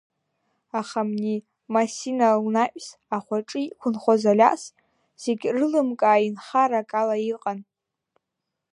Аха абни Масина лнаҩс ахәаҿы иқәынхоз Алиас зегь рылымкаа инхара акала иҟан.